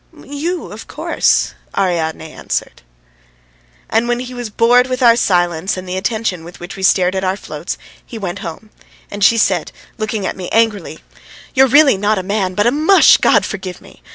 "You, of course," Ariadne answered him. And when he was bored with our silence and the attention with which we stared at our floats he went home, and she said, looking at me angrily: "You're really not a man, but a mush, God forgive me!